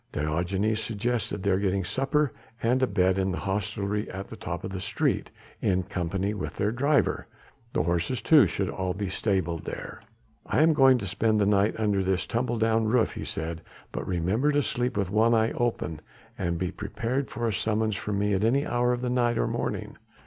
Diogenes suggested their getting supper and a bed in the hostelry at the top of the street in company with their driver; the horses too should all be stabled there. "I am going to spend the night under this tumble down roof," he said, "but remember to sleep with one eye open and be prepared for a summons from me at any hour of the night or morning.